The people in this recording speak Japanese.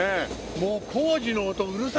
もう工事の音うるさいね。